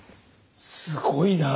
すごいなぁ。